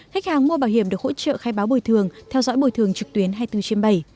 khách hàng mua bảo hiểm được hỗ trợ khai báo bồi thường theo dõi bồi thường trực tuyến hai mươi bốn trên bảy